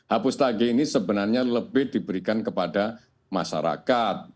hapus tagih ini sebenarnya lebih diberikan kepada masyarakat